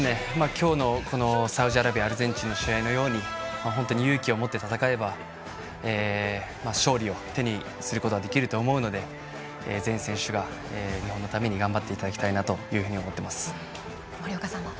今日のこのサウジアラビアアルゼンチンの試合にように本当に勇気をもって戦えば勝利を手にすることができると思うので全選手が日本のために頑張っていただきたいな森岡さんは？